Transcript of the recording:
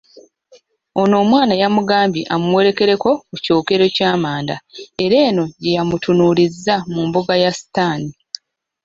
Ono, omwana yamugambye amuwerekereko ku kyokero ky'amanda era eno gye yamutunuulirizza mu mbuga ya sitaani.